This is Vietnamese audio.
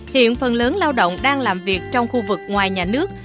hiện phần lớn lao động đang làm việc trong khu vực ngoài nhà nước